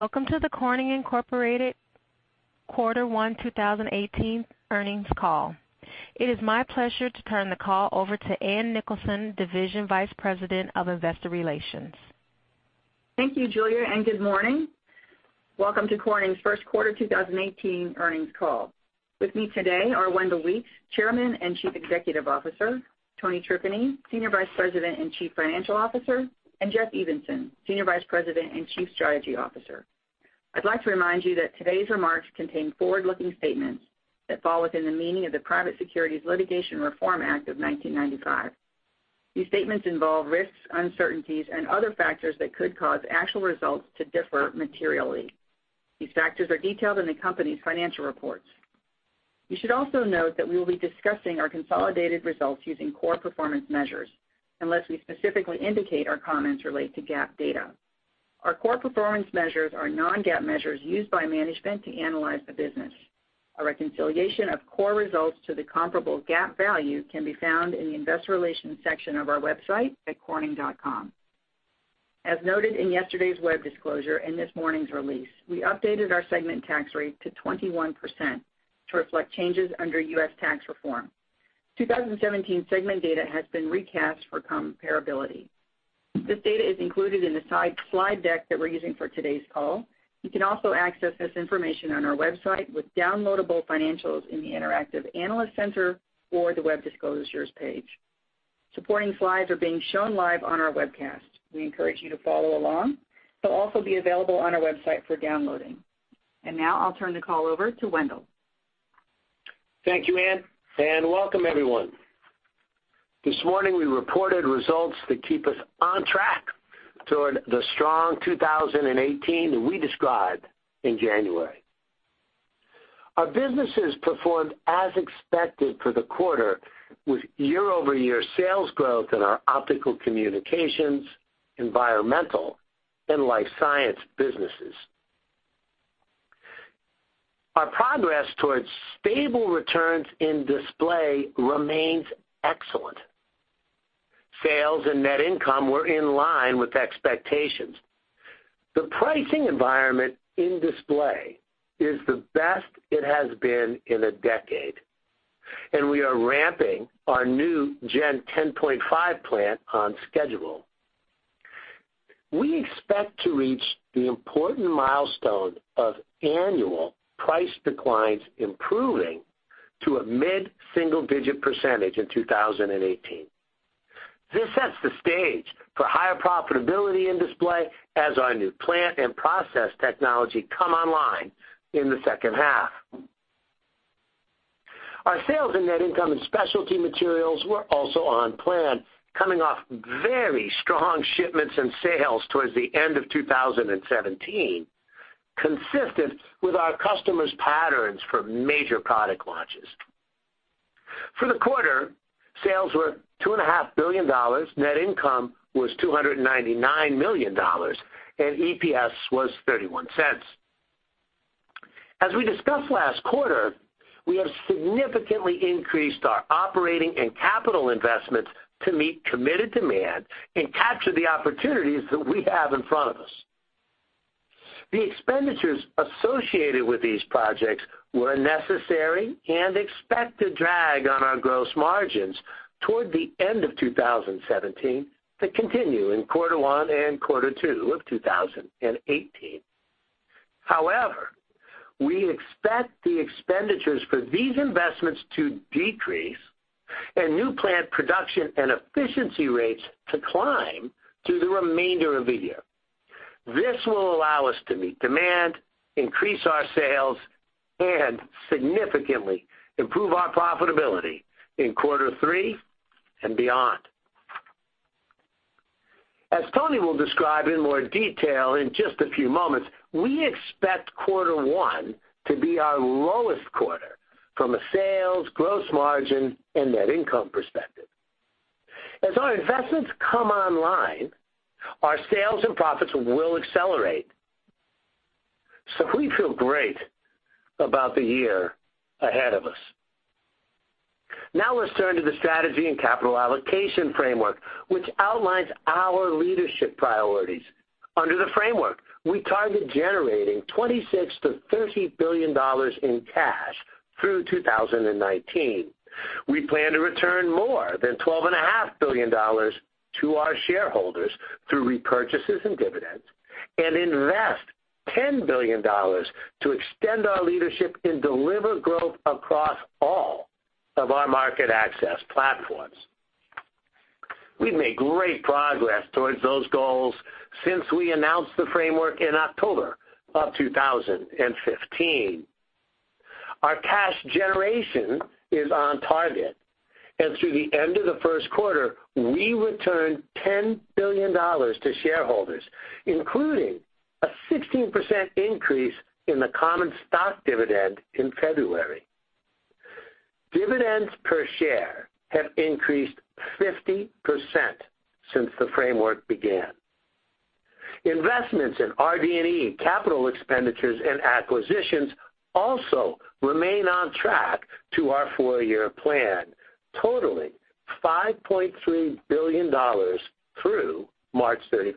Welcome to the Corning Incorporated Quarter 1 2018 Earnings Call. It is my pleasure to turn the call over to Ann Nicholson, Division Vice President of Investor Relations. Thank you, Julia, and good morning. Welcome to Corning's first quarter 2018 earnings call. With me today are Wendell Weeks, Chairman and Chief Executive Officer, Tony Tripeny, Senior Vice President and Chief Financial Officer, and Jeff Evenson, Senior Vice President and Chief Strategy Officer. I'd like to remind you that today's remarks contain forward-looking statements that fall within the meaning of the Private Securities Litigation Reform Act of 1995. These statements involve risks, uncertainties, and other factors that could cause actual results to differ materially. These factors are detailed in the company's financial reports. You should also note that we will be discussing our consolidated results using core performance measures, unless we specifically indicate our comments relate to GAAP data. Our core performance measures are non-GAAP measures used by management to analyze the business. A reconciliation of core results to the comparable GAAP value can be found in the investor relations section of our website at corning.com. As noted in yesterday's web disclosure and this morning's release, we updated our segment tax rate to 21% to reflect changes under U.S. tax reform. 2017 segment data has been recast for comparability. This data is included in the slide deck that we're using for today's call. You can also access this information on our website with downloadable financials in the interactive analyst center or the web disclosures page. Supporting slides are being shown live on our webcast. We encourage you to follow along. They'll also be available on our website for downloading. Now I'll turn the call over to Wendell. Thank you, Ann, and welcome everyone. This morning, we reported results that keep us on track toward the strong 2018 we described in January. Our businesses performed as expected for the quarter, with year-over-year sales growth in our Optical Communications, Environmental Technologies, and Life Sciences businesses. Our progress towards stable returns in Display Technologies remains excellent. Sales and net income were in line with expectations. The pricing environment in Display Technologies is the best it has been in a decade, and we are ramping our new Gen 10.5 plant on schedule. We expect to reach the important milestone of annual price declines improving to a mid-single-digit % in 2018. This sets the stage for higher profitability in Display Technologies as our new plant and process technology come online in the second half. Our sales and net income in Specialty Materials were also on plan, coming off very strong shipments and sales towards the end of 2017, consistent with our customers' patterns for major product launches. For the quarter, sales were $2.5 billion, net income was $299 million, and EPS was $0.31. As we discussed last quarter, we have significantly increased our operating and capital investments to meet committed demand and capture the opportunities that we have in front of us. The expenditures associated with these projects were a necessary and expected drag on our gross margins toward the end of 2017 to continue in quarter one and quarter two of 2018. However, we expect the expenditures for these investments to decrease and new plant production and efficiency rates to climb through the remainder of the year. This will allow us to meet demand, increase our sales, and significantly improve our profitability in quarter three and beyond. As Tony will describe in more detail in just a few moments, we expect quarter one to be our lowest quarter from a sales, gross margin, and net income perspective. As our investments come online, our sales and profits will accelerate. We feel great about the year ahead of us. Let's turn to the strategy and capital allocation framework, which outlines our leadership priorities. Under the framework, we target generating $26 billion-$30 billion in cash through 2019. We plan to return more than $12.5 billion to our shareholders through repurchases and dividends and invest $10 billion to extend our leadership and deliver growth across all of our market access platforms. We've made great progress towards those goals since we announced the framework in October of 2015. Our cash generation is on target, through the end of the first quarter, we returned $10 billion to shareholders, including a 16% increase in the common stock dividend in February. Dividends per share have increased 50% since the framework began. Investments in RD&E capital expenditures and acquisitions also remain on track to our four-year plan, totaling $5.3 billion through March 31st.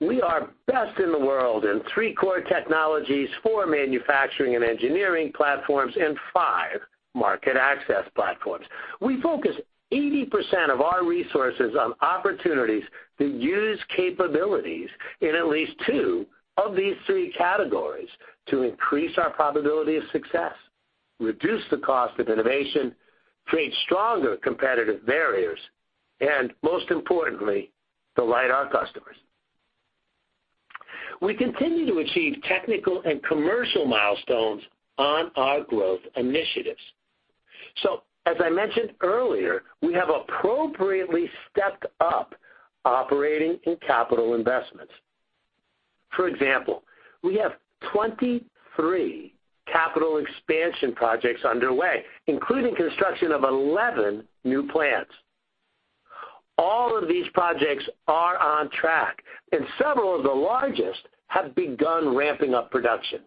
We are best in the world in 3 core technologies, 4 manufacturing and engineering platforms, and 5 market access platforms. We focus 80% of our resources on opportunities to use capabilities in at least 2 of these 3 categories to increase our probability of success, reduce the cost of innovation, create stronger competitive barriers, and most importantly, delight our customers. As I mentioned earlier, we have appropriately stepped up operating in capital investments. For example, we have 23 capital expansion projects underway, including construction of 11 new plants. All of these projects are on track, and several of the largest have begun ramping up production.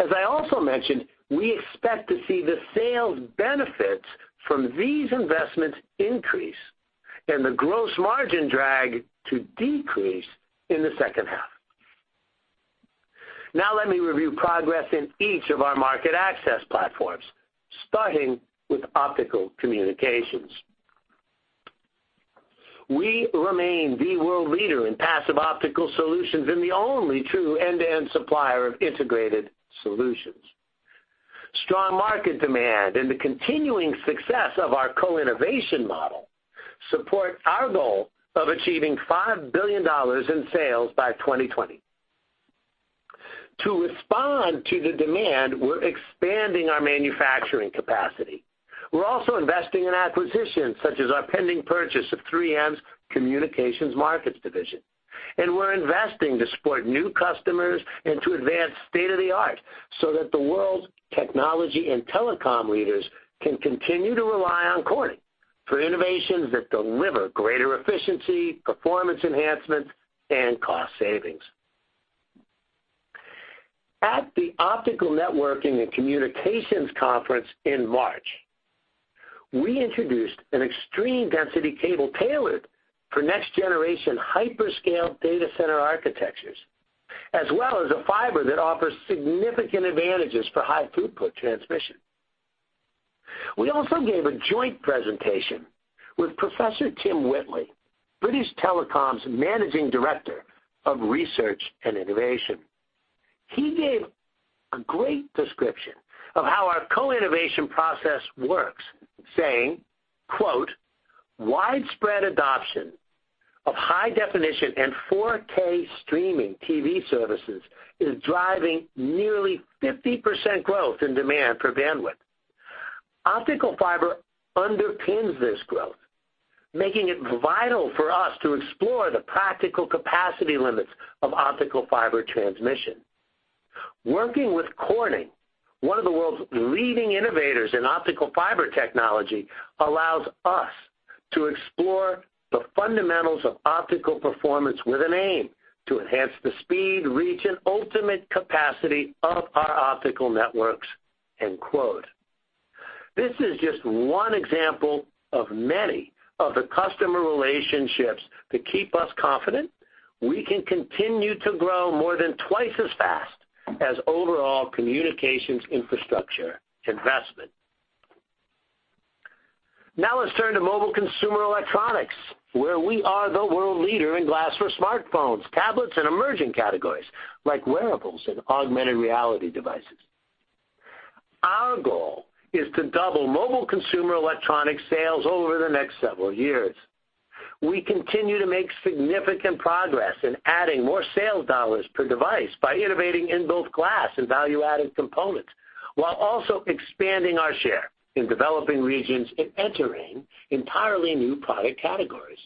As I also mentioned, we expect to see the sales benefits from these investments increase and the gross margin drag to decrease in the second half. Let me review progress in each of our market access platforms, starting with Optical Communications. We remain the world leader in passive optical solutions and the only true end-to-end supplier of integrated solutions. Strong market demand and the continuing success of our co-innovation model support our goal of achieving $5 billion in sales by 2020. To respond to the demand, we're expanding our manufacturing capacity. We're also investing in acquisitions such as our pending purchase of 3M's Communication Markets Division. We're investing to support new customers and to advance state-of-the-art so that the world's technology and telecom leaders can continue to rely on Corning for innovations that deliver greater efficiency, performance enhancements, and cost savings. At the Optical Networking and Communications conference in March, we introduced an extreme density cable tailored for next-generation hyperscale data center architectures, as well as a fiber that offers significant advantages for high throughput transmission. We also gave a joint presentation with Professor Tim Whitley, British Telecom's Managing Director of Research and Innovation. He gave a great description of how our co-innovation process works, saying, quote, "Widespread adoption of high definition and 4K streaming TV services is driving nearly 50% growth in demand for bandwidth. Optical fiber underpins this growth, making it vital for us to explore the practical capacity limits of optical fiber transmission. Working with Corning, one of the world's leading innovators in optical fiber technology, allows us to explore the fundamentals of optical performance with an aim to enhance the speed, reach, and ultimate capacity of our optical networks." End quote. This is just one example of many of the customer relationships that keep us confident we can continue to grow more than twice as fast as overall communications infrastructure investment. Now let's turn to mobile consumer electronics, where we are the world leader in glass for smartphones, tablets, and emerging categories, like wearables and augmented reality devices. Our goal is to double mobile consumer electronic sales over the next several years. We continue to make significant progress in adding more sales USD per device by innovating in both glass and value-added components, while also expanding our share in developing regions and entering entirely new product categories.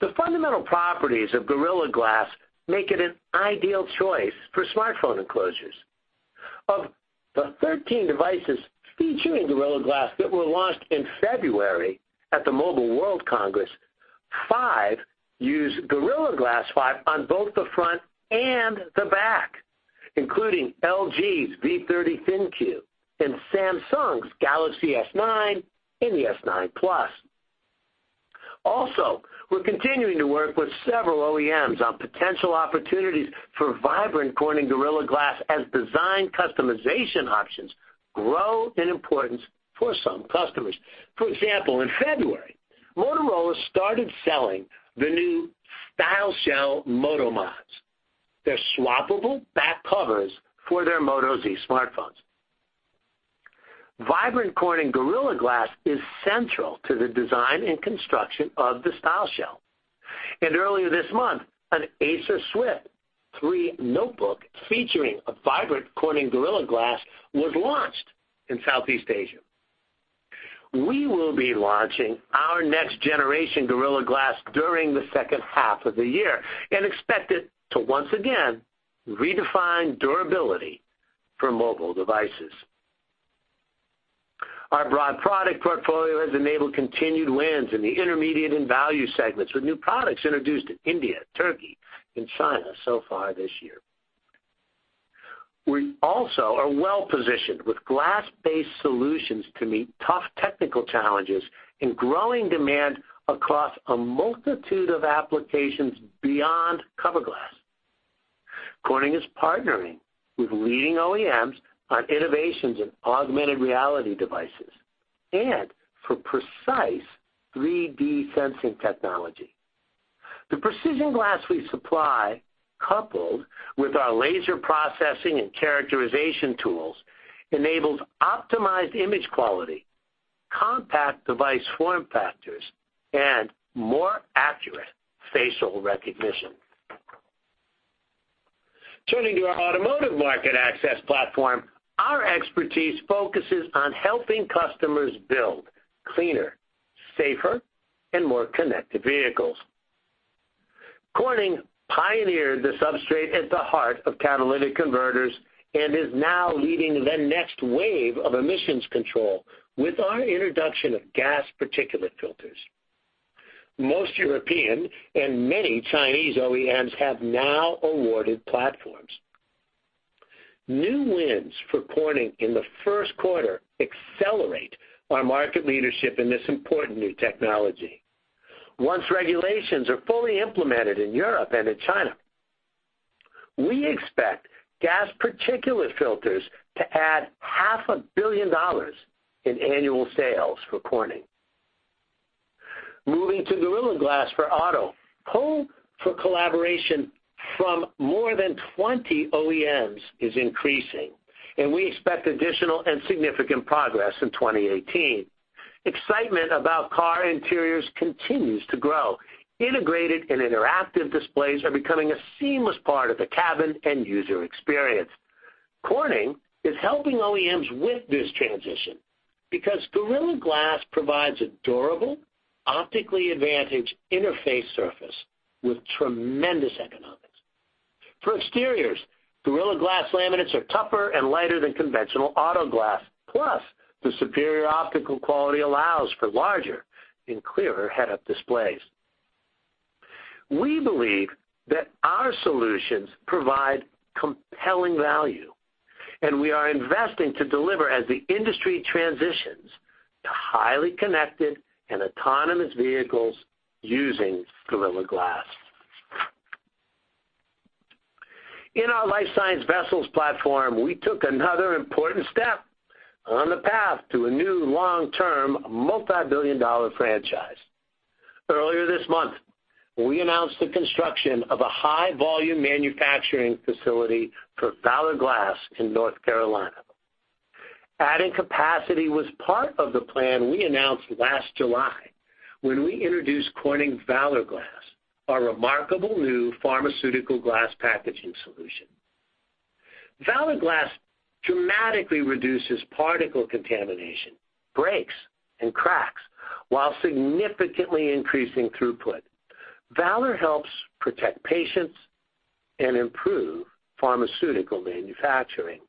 The fundamental properties of Gorilla Glass make it an ideal choice for smartphone enclosures. Of the 13 devices featuring Gorilla Glass that were launched in February at the Mobile World Congress, five use Gorilla Glass 5 on both the front and the back, including LG's V30 ThinQ and Samsung's Galaxy S9 and the S9+. Also, we're continuing to work with several OEMs on potential opportunities for Vibrant Corning Gorilla Glass as design customization options grow in importance for some customers. For example, in February, Motorola started selling the new Style Shell Moto Mods. They're swappable back covers for their Moto Z smartphones. Vibrant Corning Gorilla Glass is central to the design and construction of the Style Shell. Earlier this month, an Acer Swift 3 notebook featuring a Vibrant Corning Gorilla Glass was launched in Southeast Asia. We will be launching our next generation Gorilla Glass during the second half of the year and expect it to once again redefine durability for mobile devices. Our broad product portfolio has enabled continued wins in the intermediate and value segments with new products introduced in India, Turkey, and China so far this year. We also are well-positioned with glass-based solutions to meet tough technical challenges and growing demand across a multitude of applications beyond cover glass. Corning is partnering with leading OEMs on innovations in augmented reality devices and for precise 3D sensing technology. The precision glass we supply, coupled with our laser processing and characterization tools, enables optimized image quality, compact device form factors, and more accurate facial recognition. Turning to our automotive market access platform, our expertise focuses on helping customers build cleaner, safer, and more connected vehicles. Corning pioneered the substrate at the heart of catalytic converters and is now leading the next wave of emissions control with our introduction of gas particulate filters. Most European and many Chinese OEMs have now awarded platforms. New wins for Corning in the first quarter accelerate our market leadership in this important new technology. Once regulations are fully implemented in Europe and in China, we expect gas particulate filters to add half a billion dollars in annual sales for Corning. Moving to Gorilla Glass for auto, pull for collaboration from more than 20 OEMs is increasing, and we expect additional and significant progress in 2018. Excitement about car interiors continues to grow. Integrated and interactive displays are becoming a seamless part of the cabin end user experience. Corning is helping OEMs with this transition because Gorilla Glass provides a durable, optically advantaged interface surface with tremendous economics. For exteriors, Gorilla Glass laminates are tougher and lighter than conventional auto glass, plus their superior optical quality allows for larger and clearer head-up displays. We believe that our solutions provide compelling value, and we are investing to deliver as the industry transitions to highly connected and autonomous vehicles using Gorilla Glass. In our life-science vessels platform, we took another important step on the path to a new long-term, multibillion-dollar franchise. Earlier this month, we announced the construction of a high-volume manufacturing facility for Valor Glass in North Carolina. Adding capacity was part of the plan we announced last July when we introduced Corning Valor Glass, our remarkable new pharmaceutical glass packaging solution. Valor Glass dramatically reduces particle contamination, breaks, and cracks while significantly increasing throughput. Valor helps protect patients and improve pharmaceutical manufacturing.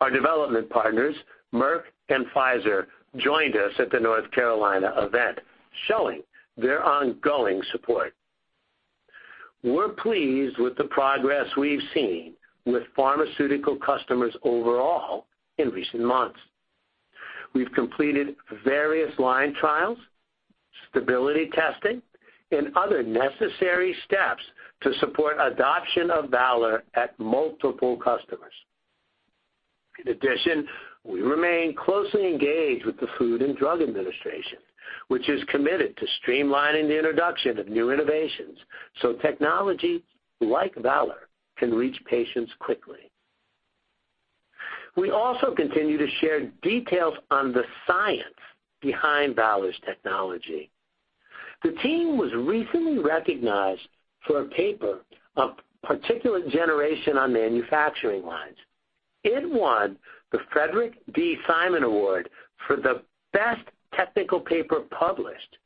Our development partners, Merck and Pfizer, joined us at the North Carolina event, showing their ongoing support. We are pleased with the progress we have seen with pharmaceutical customers overall in recent months. We have completed various line trials, stability testing, and other necessary steps to support adoption of Valor at multiple customers. We remain closely engaged with the Food and Drug Administration, which is committed to streamlining the introduction of new innovations so technology, like Valor, can reach patients quickly. We continue to share details on the science behind Valor's technology. The team was recently recognized for a paper on particulate generation on manufacturing lines. It won the Frederick D. Simon Award for the best technical paper published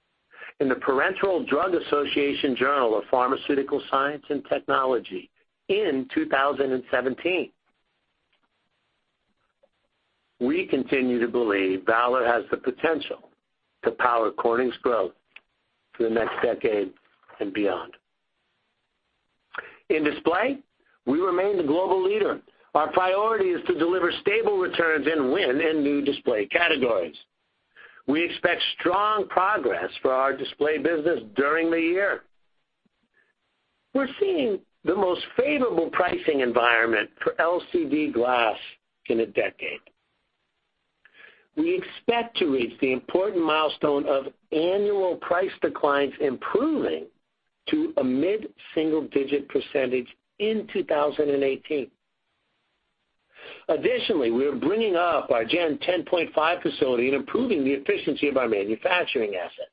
in the Parenteral Drug Association Journal of Pharmaceutical Science and Technology in 2017. We continue to believe Valor has the potential to power Corning's growth for the next decade and beyond. In display, we remain the global leader. Our priority is to deliver stable returns and win in new display categories. We expect strong progress for our display business during the year. We are seeing the most favorable pricing environment for LCD glass in a decade. We expect to reach the important milestone of annual price declines improving to a mid-single-digit % in 2018. We are bringing up our Gen 10.5 facility and improving the efficiency of our manufacturing assets.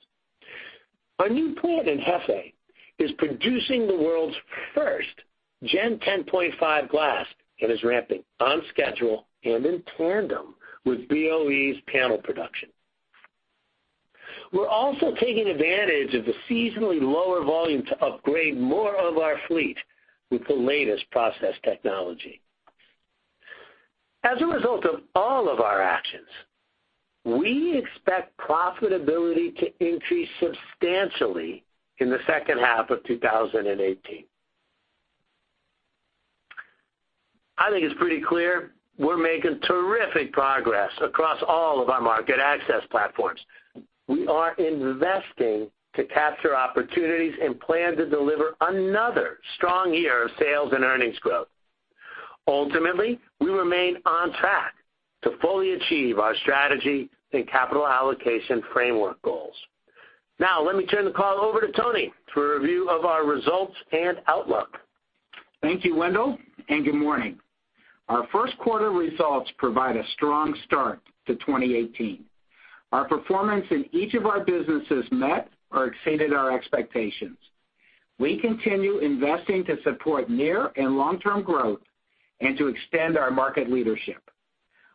Our new plant in Hefei is producing the world's first Gen 10.5 glass and is ramping on schedule and in tandem with BOE's panel production. We are also taking advantage of the seasonally lower volume to upgrade more of our fleet with the latest process technology. We expect profitability to increase substantially in the second half of 2018. I think it's pretty clear we're making terrific progress across all of our market access platforms. We are investing to capture opportunities and plan to deliver another strong year of sales and earnings growth. Ultimately, we remain on track to fully achieve our strategy and capital allocation framework goals. Now, let me turn the call over to Tony for a review of our results and outlook. Thank you, Wendell. Good morning. Our first quarter results provide a strong start to 2018. Our performance in each of our businesses met or exceeded our expectations. We continue investing to support near and long-term growth and to extend our market leadership.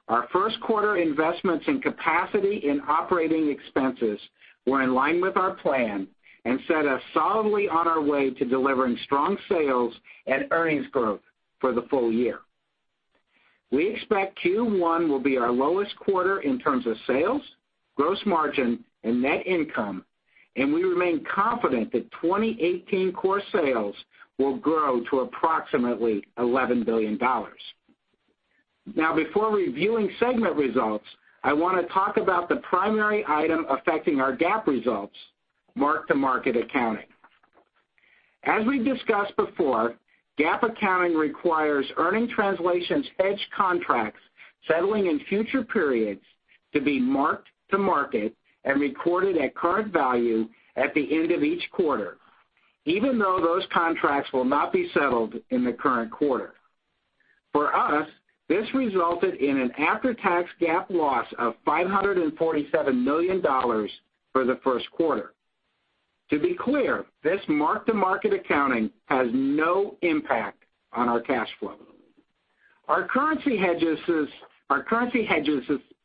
Our first quarter investments in capacity and operating expenses were in line with our plan and set us solidly on our way to delivering strong sales and earnings growth for the full year. We expect Q1 will be our lowest quarter in terms of sales, gross margin, and net income. We remain confident that 2018 core sales will grow to approximately $11 billion. Before reviewing segment results, I want to talk about the primary item affecting our GAAP results, mark-to-market accounting. As we've discussed before, GAAP accounting requires earning translations hedge contracts settling in future periods to be marked to market and recorded at current value at the end of each quarter, even though those contracts will not be settled in the current quarter. For us, this resulted in an after-tax GAAP loss of $547 million for the first quarter. To be clear, this mark-to-market accounting has no impact on our cash flow. Our currency hedges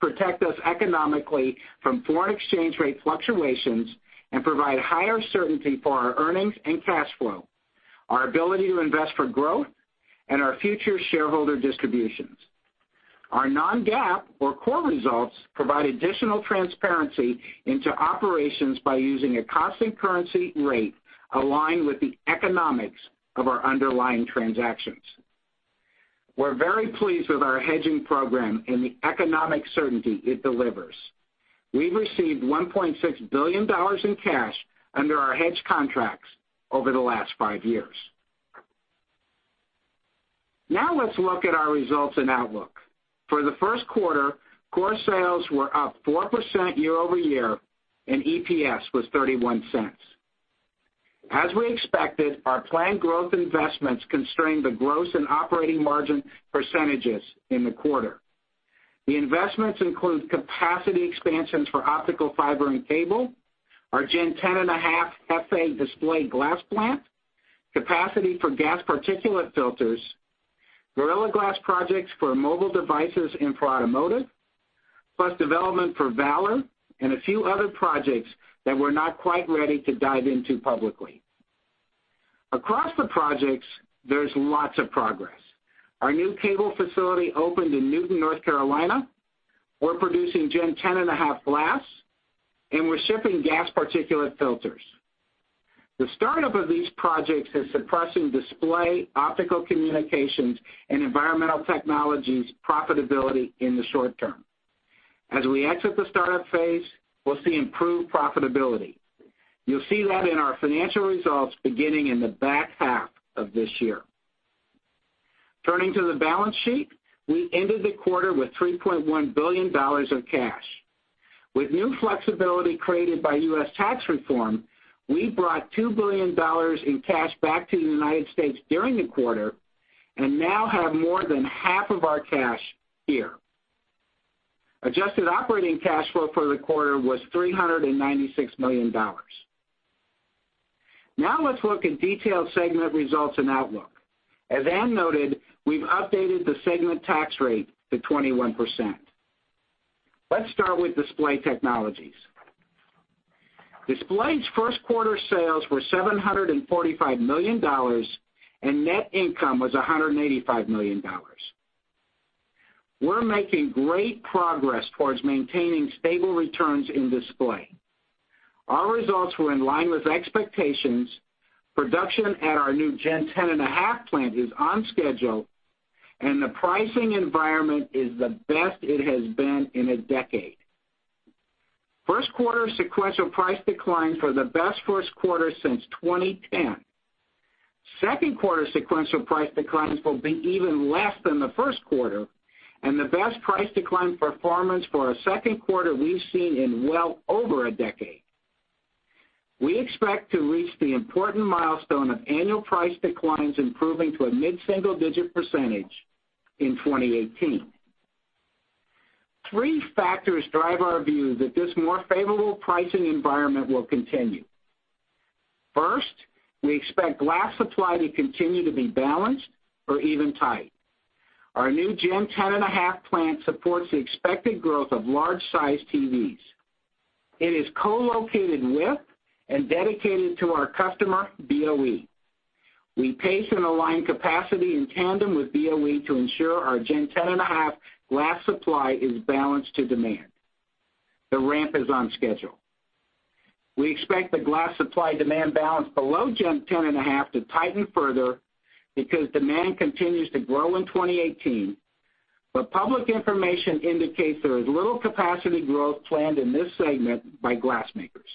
protect us economically from foreign exchange rate fluctuations and provide higher certainty for our earnings and cash flow, our ability to invest for growth, and our future shareholder distributions. Our non-GAAP or core results provide additional transparency into operations by using a constant currency rate aligned with the economics of our underlying transactions. We're very pleased with our hedging program and the economic certainty it delivers. We've received $1.6 billion in cash under our hedge contracts over the last five years. Let's look at our results and outlook. For the first quarter, core sales were up 4% year-over-year. EPS was $0.31. As we expected, our planned growth investments constrained the gross and operating margin percentages in the quarter. The investments include capacity expansions for optical fiber and cable, our Gen 10.5 FA display glass plant, capacity for gas particulate filters, Gorilla Glass projects for mobile devices and for automotive, plus development for Valor and a few other projects that we're not quite ready to dive into publicly. Across the projects, there's lots of progress. Our new cable facility opened in Newton, North Carolina. We're producing Gen 10.5 glass. We're shipping gas particulate filters. The startup of these projects is suppressing Display Technologies, Optical Communications, and Environmental Technologies profitability in the short term. As we exit the startup phase, we'll see improved profitability. You'll see that in our financial results beginning in the back half of this year. Turning to the balance sheet, we ended the quarter with $3.1 billion in cash. With new flexibility created by U.S. tax reform, we brought $2 billion in cash back to the United States during the quarter and now have more than half of our cash here. Adjusted operating cash flow for the quarter was $396 million. Now let's look at detailed segment results and outlook. As Ann noted, we've updated the segment tax rate to 21%. Let's start with Display Technologies. Display Technologies' first quarter sales were $745 million, and net income was $185 million. We're making great progress towards maintaining stable returns in Display Technologies. Our results were in line with expectations. Production at our new Gen 10.5 plant is on schedule, and the pricing environment is the best it has been in a decade. First quarter sequential price declines are the best first quarter since 2010. Second quarter sequential price declines will be even less than the first quarter, and the best price decline performance for a second quarter we've seen in well over a decade. We expect to reach the important milestone of annual price declines improving to a mid-single-digit % in 2018. Three factors drive our view that this more favorable pricing environment will continue. First, we expect glass supply to continue to be balanced or even tight. Our new Gen 10.5 plant supports the expected growth of large-sized TVs. It is co-located with and dedicated to our customer, BOE. We pace and align capacity in tandem with BOE to ensure our Gen 10.5 glass supply is balanced to demand. The ramp is on schedule. We expect the glass supply-demand balance below Gen 10.5 to tighten further because demand continues to grow in 2018. Public information indicates there is little capacity growth planned in this segment by glass makers.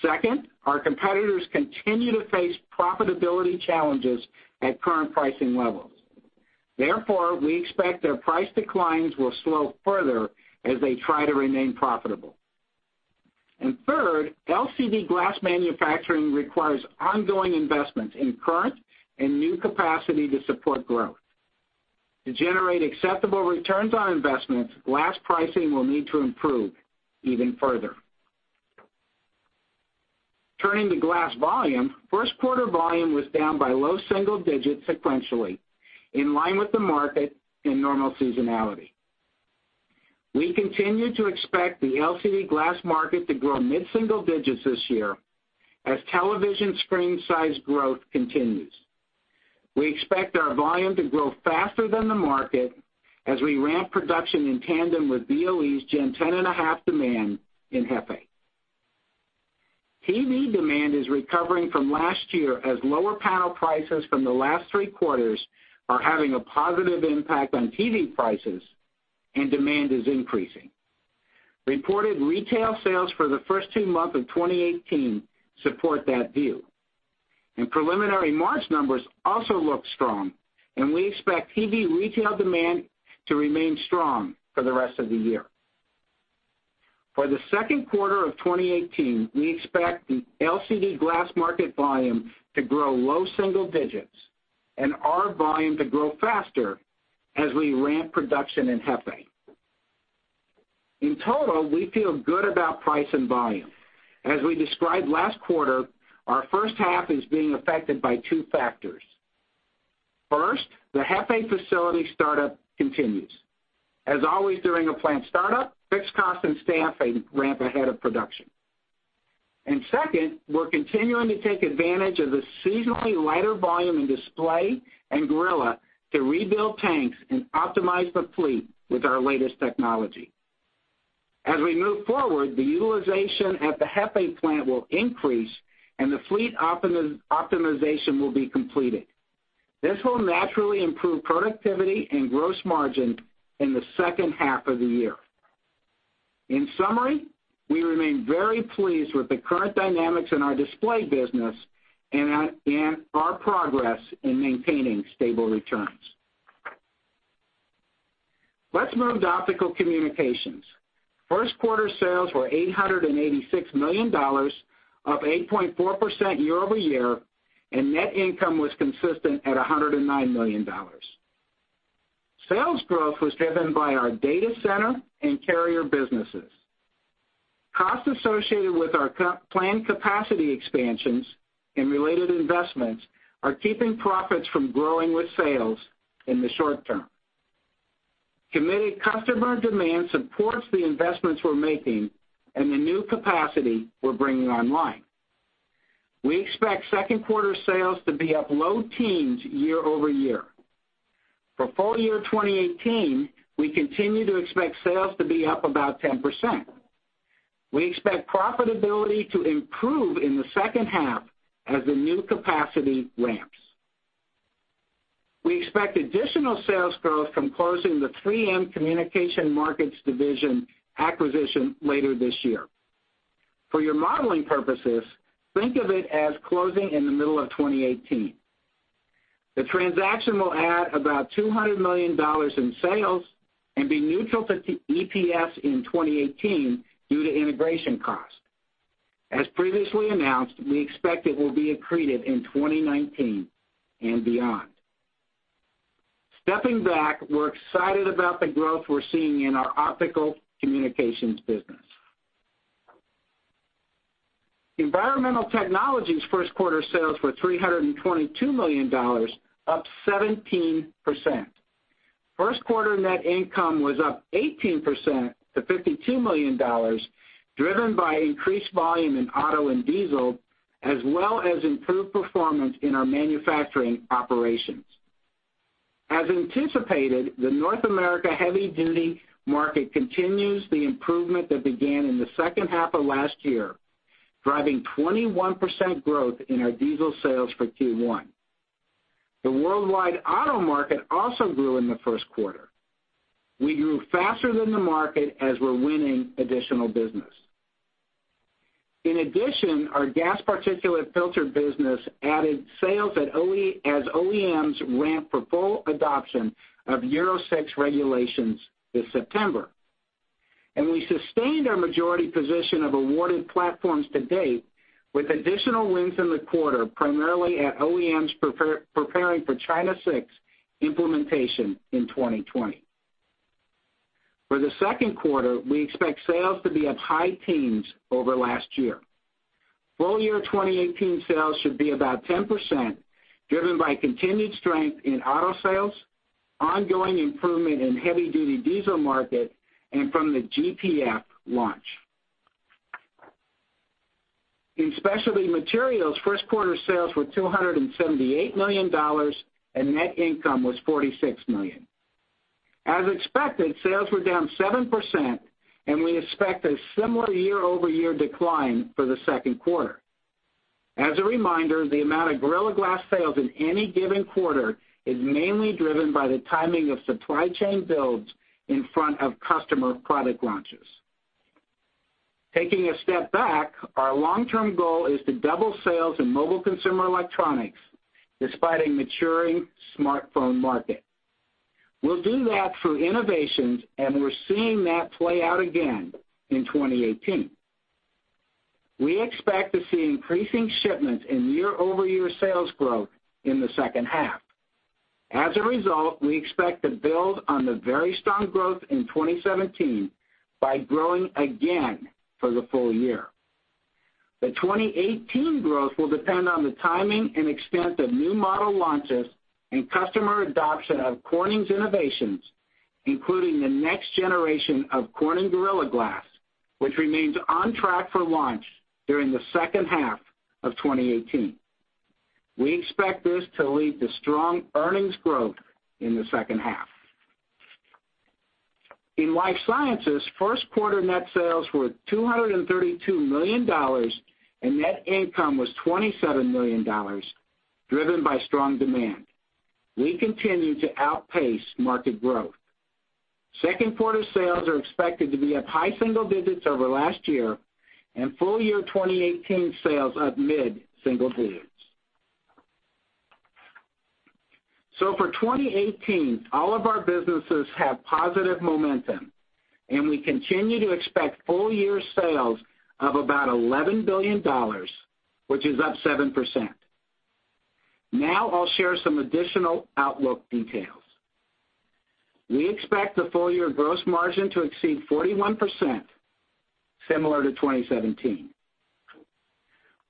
Second, our competitors continue to face profitability challenges at current pricing levels. Therefore, we expect their price declines will slow further as they try to remain profitable. Third, LCD glass manufacturing requires ongoing investments in current and new capacity to support growth. To generate acceptable returns on investments, glass pricing will need to improve even further. Turning to glass volume, first quarter volume was down by low single digits sequentially, in line with the market and normal seasonality. We continue to expect the LCD glass market to grow mid-single digits this year as television screen size growth continues. We expect our volume to grow faster than the market as we ramp production in tandem with BOE's Gen 10.5 demand in Hefei. TV demand is recovering from last year as lower panel prices from the last three quarters are having a positive impact on TV prices, and demand is increasing. Reported retail sales for the first two months of 2018 support that view. Preliminary March numbers also look strong, and we expect TV retail demand to remain strong for the rest of the year. For the second quarter of 2018, we expect the LCD glass market volume to grow low single digits and our volume to grow faster as we ramp production in Hefei. In total, we feel good about price and volume. As we described last quarter, our first half is being affected by two factors. First, the Hefei facility startup continues. As always during a plant startup, fixed costs and staffing ramp ahead of production. Second, we're continuing to take advantage of the seasonally lighter volume in display and Gorilla to rebuild tanks and optimize the fleet with our latest technology. As we move forward, the utilization at the Hefei plant will increase, and the fleet optimization will be completed. This will naturally improve productivity and gross margin in the second half of the year. In summary, we remain very pleased with the current dynamics in our display business and our progress in maintaining stable returns. Let's move to Optical Communications. First quarter sales were $886 million, up 8.4% year-over-year, and net income was consistent at $109 million. Sales growth was driven by our data center and carrier businesses. Costs associated with our planned capacity expansions and related investments are keeping profits from growing with sales in the short term. Committed customer demand supports the investments we're making and the new capacity we're bringing online. We expect second quarter sales to be up low teens year-over-year. For full year 2018, we continue to expect sales to be up about 10%. We expect profitability to improve in the second half as the new capacity ramps. We expect additional sales growth from closing the 3M Communication Markets Division acquisition later this year. For your modeling purposes, think of it as closing in the middle of 2018. The transaction will add about $200 million in sales and be neutral to EPS in 2018 due to integration costs. As previously announced, we expect it will be accretive in 2019 and beyond. Stepping back, we're excited about the growth we're seeing in our Optical Communications business. Environmental Technologies first quarter sales were $322 million, up 17%. First quarter net income was up 18% to $52 million, driven by increased volume in auto and diesel, as well as improved performance in our manufacturing operations. As anticipated, the North America heavy duty market continues the improvement that began in the second half of last year, driving 21% growth in our diesel sales for Q1. The worldwide auto market also grew in the first quarter. We grew faster than the market as we're winning additional business. In addition, our gas particulate filter business added sales as OEMs ramp for full adoption of Euro 6 regulations this September. We sustained our majority position of awarded platforms to date with additional wins in the quarter, primarily at OEMs preparing for China 6 implementation in 2020. For the second quarter, we expect sales to be up high teens over last year. Full year 2018 sales should be about 10%, driven by continued strength in auto sales Ongoing improvement in heavy-duty diesel market and from the GPF launch. In Specialty Materials, first quarter sales were $278 million, and net income was $46 million. As expected, sales were down 7%, and we expect a similar year-over-year decline for the second quarter. As a reminder, the amount of Gorilla Glass sales in any given quarter is mainly driven by the timing of supply chain builds in front of customer product launches. Taking a step back, our long-term goal is to double sales in mobile consumer electronics, despite a maturing smartphone market. We'll do that through innovations. We're seeing that play out again in 2018. We expect to see increasing shipments and year-over-year sales growth in the second half. As a result, we expect to build on the very strong growth in 2017 by growing again for the full year. The 2018 growth will depend on the timing and extent of new model launches and customer adoption of Corning's innovations, including the next generation of Corning Gorilla Glass, which remains on track for launch during the second half of 2018. We expect this to lead to strong earnings growth in the second half. In Life Sciences, first quarter net sales were $232 million, and net income was $27 million, driven by strong demand. We continue to outpace market growth. Second quarter sales are expected to be up high single digits over last year, and full-year 2018 sales up mid-single digits. For 2018, all of our businesses have positive momentum, and we continue to expect full-year sales of about $11 billion, which is up 7%. Now I'll share some additional outlook details. We expect the full-year gross margin to exceed 41%, similar to 2017.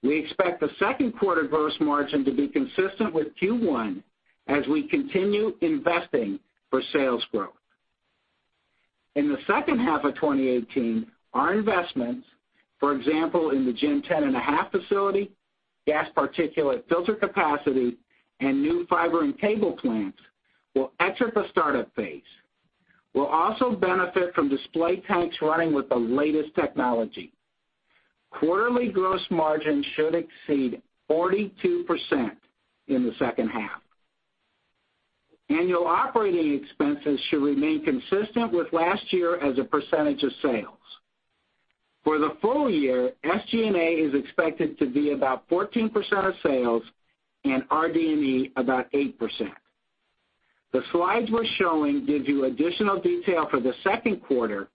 We expect the second quarter gross margin to be consistent with Q1 as we continue investing for sales growth. In the second half of 2018, our investments, for example, in the Gen 10.5 facility, gas particulate filter capacity, and new fiber and cable plants, will exit the startup phase. We'll also benefit from display tanks running with the latest technology. Quarterly gross margin should exceed 42% in the second half. Annual operating expenses should remain consistent with last year as a percentage of sales. For the full year, SG&A is expected to be about 14% of sales and RD&E about 8%. The slides we're showing give you additional detail for the second quarter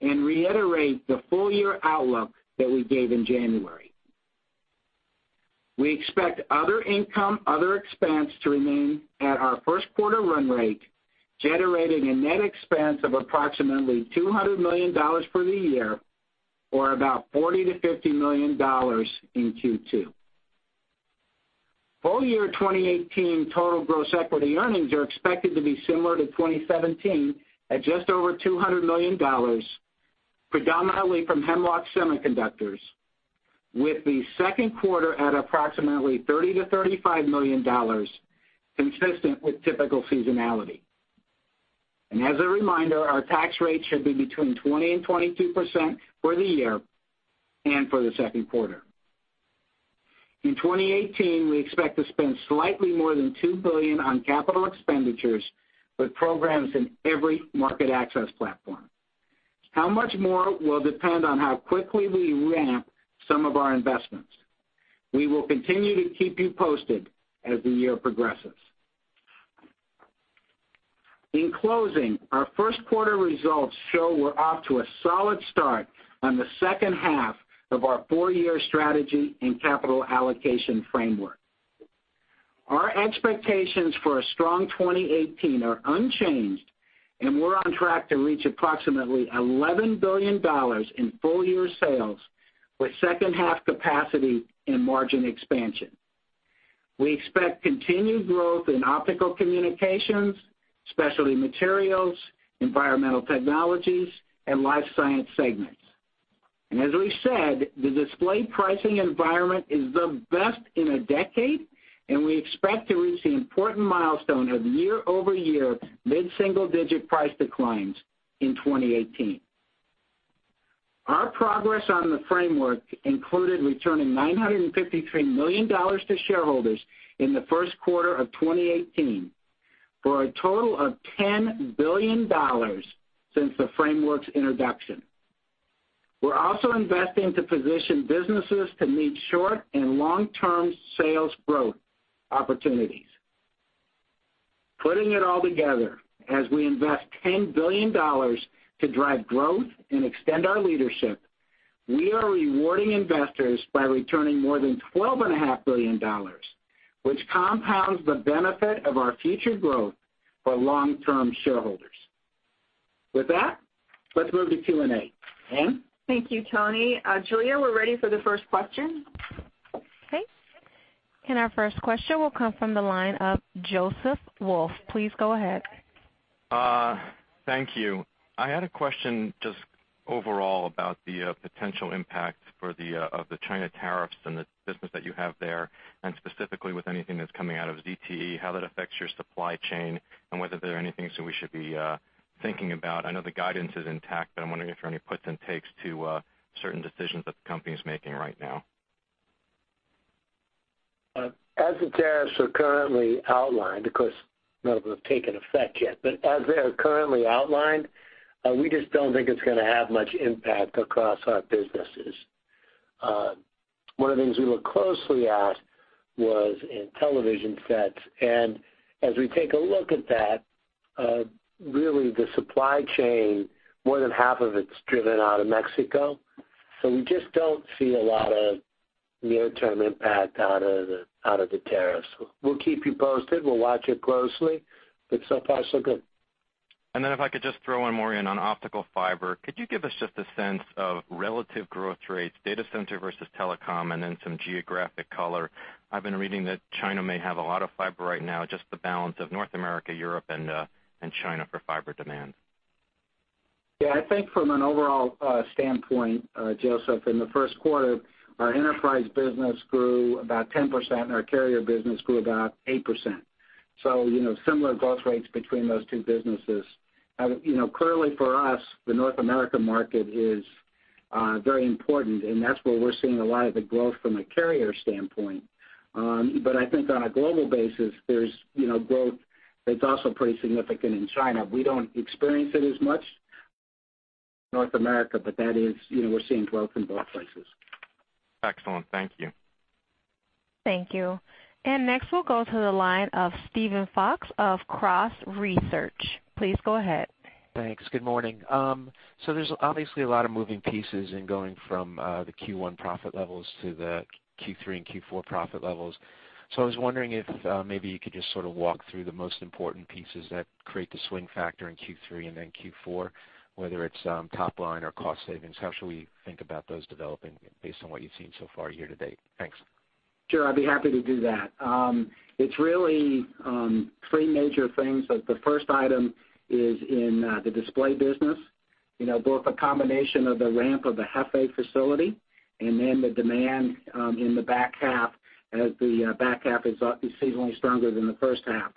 and reiterate the full-year outlook that we gave in January. We expect other income, other expense, to remain at our first quarter run rate, generating a net expense of approximately $200 million for the year, or about $40 million-$50 million in Q2. Full-year 2018 total gross equity earnings are expected to be similar to 2017 at just over $200 million, predominantly from Hemlock Semiconductors, with the second quarter at approximately $30 million-$35 million, consistent with typical seasonality. As a reminder, our tax rate should be between 20% and 22% for the year and for the second quarter. In 2018, we expect to spend slightly more than $2 billion on capital expenditures with programs in every market access platform. How much more will depend on how quickly we ramp some of our investments. We will continue to keep you posted as the year progresses. In closing, our first quarter results show we're off to a solid start on the second half of our four-year strategy and capital allocation framework. Our expectations for a strong 2018 are unchanged, and we're on track to reach approximately $11 billion in full-year sales, with second half capacity and margin expansion. We expect continued growth in Optical Communications, Specialty Materials, Environmental Technologies, and Life Sciences segments. As we said, the display pricing environment is the best in a decade, and we expect to reach the important milestone of year-over-year mid-single-digit price declines in 2018. Our progress on the framework included returning $953 million to shareholders in the first quarter of 2018, for a total of $10 billion since the framework's introduction. We're also investing to position businesses to meet short- and long-term sales growth opportunities. Putting it all together, as we invest $10 billion to drive growth and extend our leadership, we are rewarding investors by returning more than $12.5 billion, which compounds the benefit of our future growth for long-term shareholders. With that, let's move to Q&A. Ann? Thank you, Tony. Julia, we're ready for the first question. Our first question will come from the line of Joseph Wolf. Please go ahead. Thank you. I had a question just overall about the potential impact of the China tariffs and the business that you have there, and specifically with anything that's coming out of ZTE, how that affects your supply chain and whether there are any things that we should be thinking about. I know the guidance is intact, but I'm wondering if there are any puts and takes to certain decisions that the company's making right now. As the tariffs are currently outlined, of course, none of them have taken effect yet, but as they are currently outlined, we just don't think it's going to have much impact across our businesses. One of the things we looked closely at was in television sets, and as we take a look at that, really the supply chain, more than half of it's driven out of Mexico. We just don't see a lot of near-term impact out of the tariffs. We'll keep you posted. We'll watch it closely, but so far so good. If I could just throw one more in on optical fiber, could you give us just a sense of relative growth rates, data center versus telecom, and then some geographic color? I've been reading that China may have a lot of fiber right now, just the balance of North America, Europe, and China for fiber demand. I think from an overall standpoint, Joseph, in the first quarter, our enterprise business grew about 10%, and our carrier business grew about 8%. Similar growth rates between those two businesses. Clearly for us, the North America market is very important, and that's where we're seeing a lot of the growth from a carrier standpoint. I think on a global basis, there's growth that's also pretty significant in China. We don't experience it as much North America, but we're seeing growth in both places. Excellent. Thank you. Thank you. Next we'll go to the line of Steven Fox of Cross Research. Please go ahead. Thanks. Good morning. There's obviously a lot of moving pieces in going from the Q1 profit levels to the Q3 and Q4 profit levels. I was wondering if maybe you could just sort of walk through the most important pieces that create the swing factor in Q3 and then Q4, whether it's top line or cost savings. How should we think about those developing based on what you've seen so far year-to-date? Thanks. Sure, I'd be happy to do that. It's really three major things. The first item is in the Display business. Both a combination of the ramp of the Hefei facility and then the demand in the back half as the back half is seasonally stronger than the first half,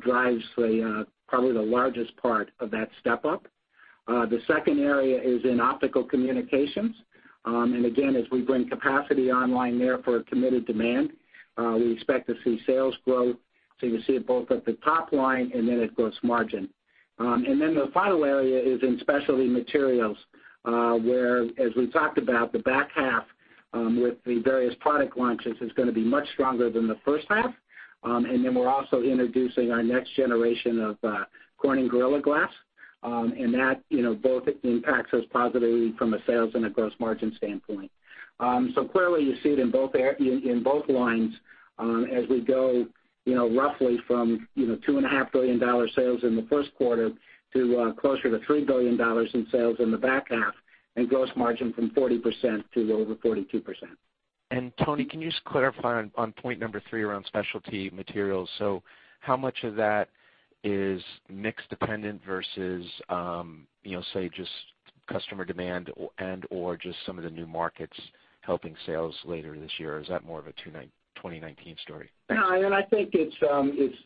drives probably the largest part of that step up. The second area is in Optical Communications. Again, as we bring capacity online there for a committed demand, we expect to see sales growth. You see it both at the top line and then at gross margin. The final area is in Specialty Materials, where, as we talked about, the back half with the various product launches is going to be much stronger than the first half. Then we're also introducing our next generation of Corning Gorilla Glass, and that both impacts us positively from a sales and a gross margin standpoint. Clearly, you see it in both lines as we go roughly from $2.5 billion sales in the first quarter to closer to $3 billion in sales in the back half, and gross margin from 40% to over 42%. Tony, can you just clarify on point number three around Specialty Materials. How much of that is mix dependent versus, say, just customer demand and/or just some of the new markets helping sales later this year? Is that more of a 2019 story? No, I think it's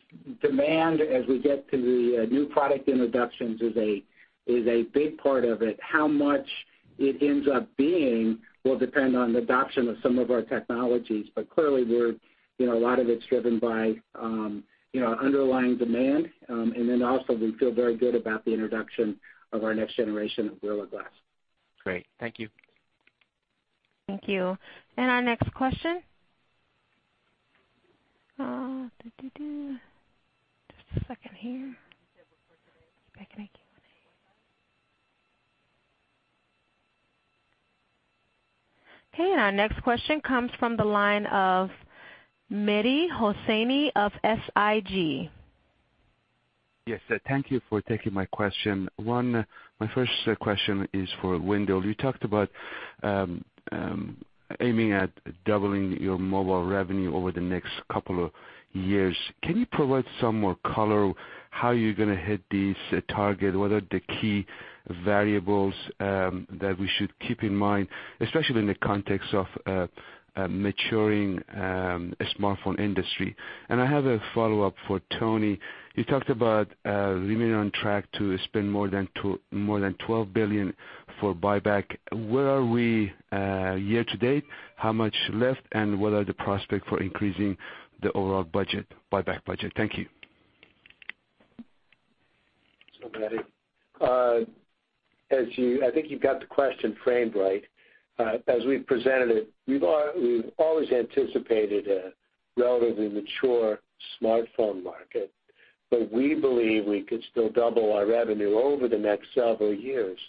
demand as we get to the new product introductions is a big part of it. How much it ends up being will depend on the adoption of some of our technologies. Clearly, a lot of it's driven by underlying demand. Also, we feel very good about the introduction of our next generation of Gorilla Glass. Great. Thank you. Thank you. Our next question. Just a second here. Okay. Our next question comes from the line of Mehdi Hosseini of SIG. Thank you for taking my question. My first question is for Wendell. You talked about aiming at doubling your mobile revenue over the next couple of years. Can you provide some more color how you're going to hit this target? What are the key variables that we should keep in mind, especially in the context of maturing smartphone industry? I have a follow-up for Tony. You talked about remaining on track to spend more than $12 billion for buyback. Where are we year to date? How much left, and what are the prospects for increasing the overall budget, buyback budget? Thank you. Mehdi. I think you've got the question framed right. As we've presented it, we've always anticipated a relatively mature smartphone market, but we believe we could still double our revenue over the next several years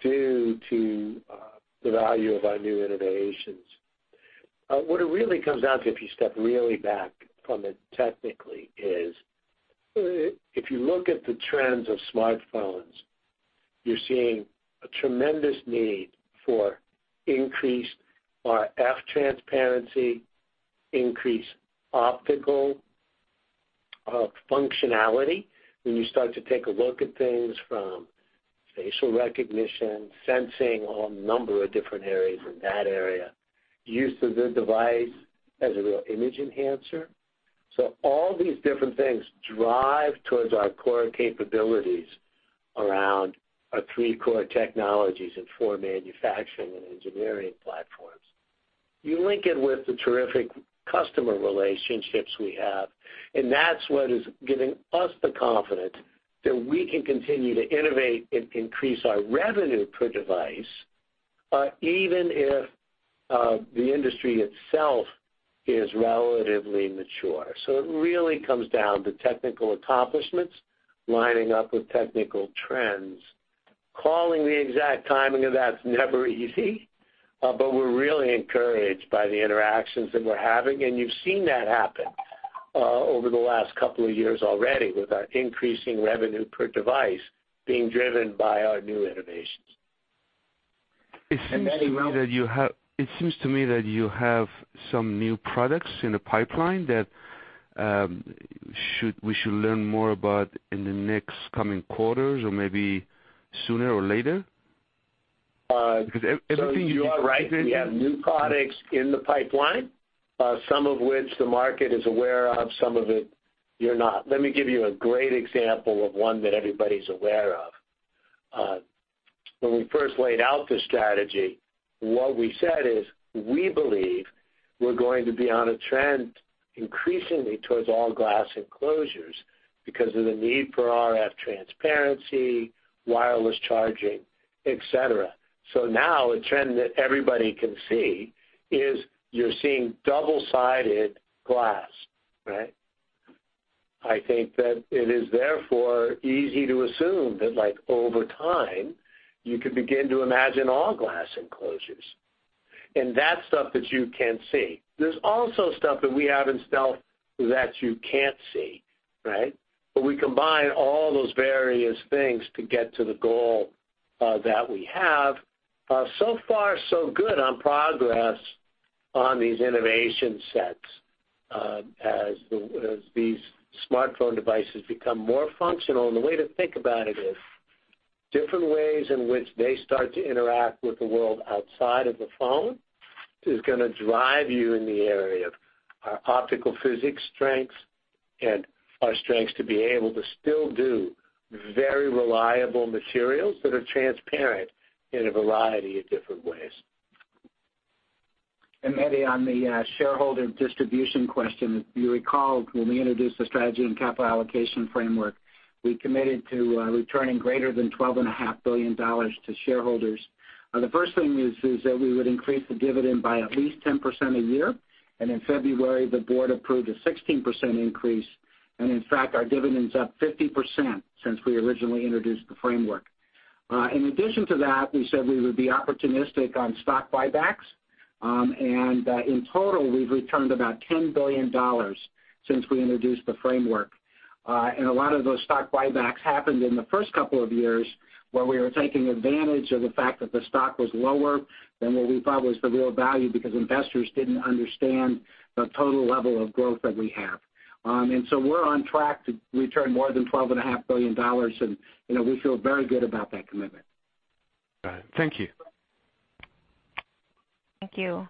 due to the value of our new innovations. What it really comes down to, if you step really back from it technically, is if you look at the trends of smartphones, you're seeing a tremendous need for increased RF transparency, increased optical functionality, when you start to take a look at things from facial recognition, sensing, or a number of different areas in that area, use of the device as a real image enhancer. All these different things drive towards our core capabilities around our three core technologies and four manufacturing and engineering platforms. You link it with the terrific customer relationships we have, and that's what is giving us the confidence that we can continue to innovate and increase our revenue per device, even if the industry itself is relatively mature. It really comes down to technical accomplishments lining up with technical trends. Calling the exact timing of that's never easy, but we're really encouraged by the interactions that we're having, and you've seen that happen over the last couple of years already with our increasing revenue per device being driven by our new innovations. It seems to me that you have some new products in the pipeline that we should learn more about in the next coming quarters, or maybe sooner or later? Because everything you described- You are right, we have new products in the pipeline, some of which the market is aware of, some of it you're not. Let me give you a great example of one that everybody's aware of. When we first laid out the strategy, what we said is, "We believe we're going to be on a trend increasingly towards all-glass enclosures because of the need for RF transparency, wireless charging, et cetera." Now a trend that everybody can see is you're seeing double-sided glass, right? I think that it is therefore easy to assume that over time you could begin to imagine all-glass enclosures, that's stuff that you can see. There's also stuff that we have in stealth that you can't see, right? We combine all those various things to get to the goal that we have. So far so good on progress on these innovation sets, as these smartphone devices become more functional. The way to think about it is, different ways in which they start to interact with the world outside of the phone is going to drive you in the area of our optical physics strengths and our strengths to be able to still do very reliable materials that are transparent in a variety of different ways. Mehdi, on the shareholder distribution question, if you recall, when we introduced the strategy and capital allocation framework, we committed to returning greater than $12.5 billion to shareholders. The first thing is that we would increase the dividend by at least 10% a year, in February, the board approved a 16% increase, in fact, our dividend's up 50% since we originally introduced the framework. In addition to that, we said we would be opportunistic on stock buybacks, in total, we've returned about $10 billion since we introduced the framework. A lot of those stock buybacks happened in the first couple of years, where we were taking advantage of the fact that the stock was lower than what we thought was the real value, because investors didn't understand the total level of growth that we have. We're on track to return more than $12.5 billion, and we feel very good about that commitment. All right. Thank you. Thank you.